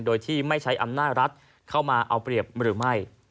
โดยที่ไม่ใช้อำนาจรัฐเข้ามาเอาเปรียบหรือไม่